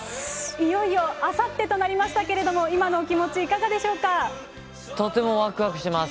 いよいよあさってとなりましたけれども、今のお気持ち、いかとてもわくわくしてます。